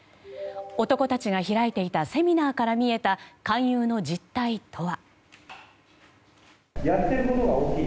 男たちが開いていたセミナーから見えた勧誘の実態とは。